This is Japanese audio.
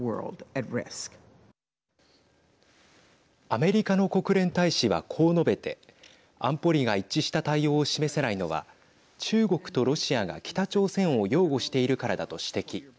アメリカの国連大使はこう述べて安保理が一致した対応を示せないのは中国とロシアが北朝鮮を擁護しているからだと指摘。